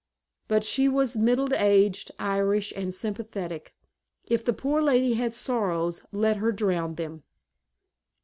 But she was middle aged, Irish, and sympathetic. If the poor lady had sorrows let her drown them.